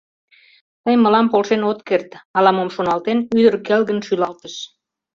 — Тый мылам полшен от керт, — ала-мом шоналтен, ӱдыр келгын шӱлалтыш.